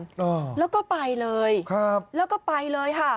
อ๋อครับแล้วก็ไปเลยแล้วก็ไปเลยค่ะ